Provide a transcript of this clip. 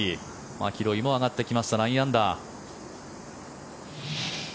マキロイも上がってきました９アンダー。